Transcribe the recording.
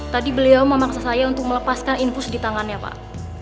tadi beliau memaksa saya untuk melepaskan infus di tangannya pak